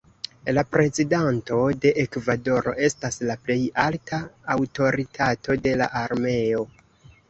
La prezidanto de Ekvadoro estas la plej alta aŭtoritato de la armeo.